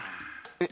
えっ。